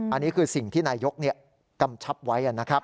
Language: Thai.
อันนี้คือสิ่งที่นายกกำชับไว้นะครับ